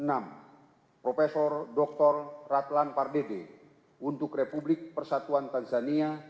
enam profesor dokter ratlan pardede untuk republik persatuan tanzania